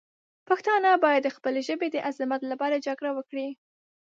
پښتانه باید د خپلې ژبې د عظمت لپاره جګړه وکړي.